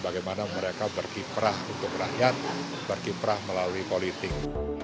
bagaimana mereka berkiprah untuk rakyat berkiprah melalui politik